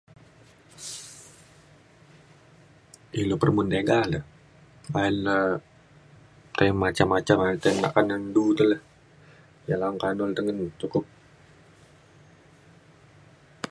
ilu peremun tiga le pa’an le tai macam macam ayen tei nak ka anen du te le ia’ le aung kanun le tengen ne cukup